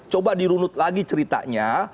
coba dirunut lagi ceritanya